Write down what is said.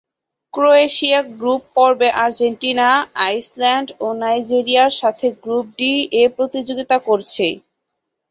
Croatia group পর্বে Argentina, Iceland ও নাইজেরিয়ার সাথে গ্রুপ ডি-এ প্রতিযোগিতা করেছে।